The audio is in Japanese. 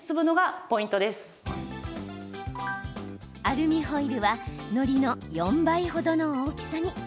アルミホイルはのりの４倍程の大きさに。